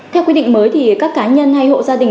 theo quy định mới thì các cá nhân hay hộ gia đình